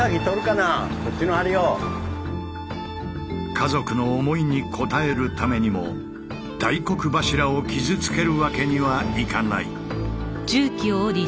家族の想いに応えるためにも大黒柱を傷つけるわけにはいかない。